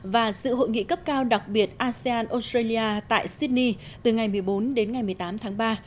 và sự hội nghị cấp cao đặc biệt asean australia tại sydney từ ngày một mươi bốn đến ngày một mươi tám tháng ba